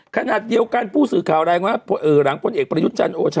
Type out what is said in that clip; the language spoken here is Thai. ขณะเดียวกันผู้สื่อข่าวแรงว่าหลังพลเอกประยุทธ์จันทร์โอชา